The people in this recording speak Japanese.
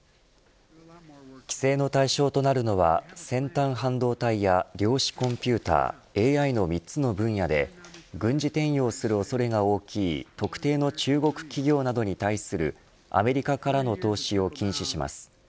規制の対象となるのは先端半導体や量子コンピューター、ＡＩの３つの分野で軍事転用する恐れが大きい特定の中国企業などに対するアメリカからの投資を禁止します。